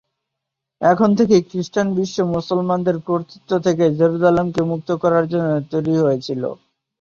এখান থেকেই খ্রিস্টান বিশ্ব মুসলমানদের কর্তৃত্ব থেকে জেরুসালেমকে মুক্ত করার জন্য তৈরি হয়েছিল।